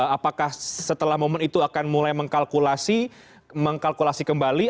apakah setelah momen itu akan mulai mengkalkulasi mengkalkulasi kembali